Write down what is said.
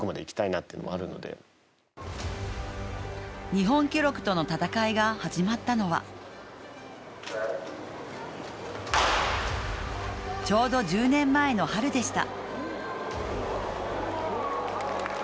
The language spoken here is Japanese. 日本記録との戦いが始まったのはちょうど１０年前の春でした。